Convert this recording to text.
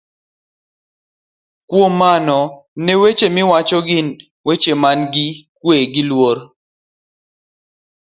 Kuom mano, ne ni weche miwacho gin weche manigi kwe gi luor,